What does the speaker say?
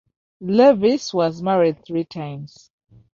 Levis was married three times.